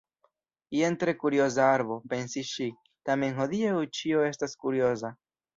"Jen tre kurioza arbo," pensis ŝi. "Tamen hodiaŭ ĉio estas kurioza.